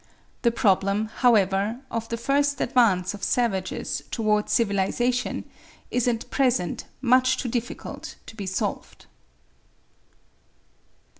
The problem, however, of the first advance of savages towards civilisation is at present much too difficult to be solved.